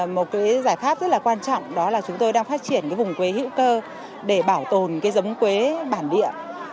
một cái giải pháp rất là quan trọng đó là chúng tôi đang phát triển cái vùng quế hữu cơ để bảo tồn cái giống quế bản địa